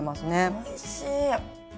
おいしい。